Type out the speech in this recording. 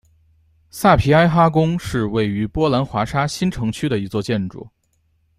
萨皮埃哈宫是位于波兰华沙新城区的一座建筑。